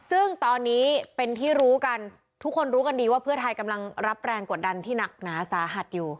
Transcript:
ซึ่งตอนนี้เป็นที่รู้กันทุกคนรู้กันดีว่าเพื่อไทยกำลังรับแรงกดดันที่หนักหนาสาหัสอยู่